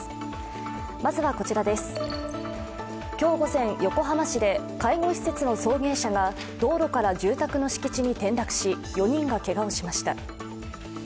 今日午前、横浜市で介護施設の送迎車が道路から住宅の敷地に転落し４人がけがをしました。